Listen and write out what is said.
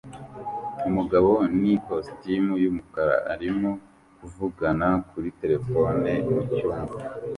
Umugabo ni ikositimu yumukara arimo kuvugana kuri terefone mucyumba